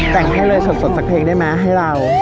แต่งให้เลยสดสักเพลงได้ไหมให้เรา